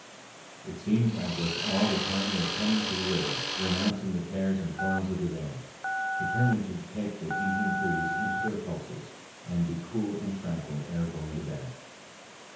It seemed as if all the town were coming to the river, renouncing the cares and toils of the day, determined to take the evening breeze into their pulses, and be cool and tranquil ere going to bed.